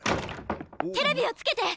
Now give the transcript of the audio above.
テレビをつけて！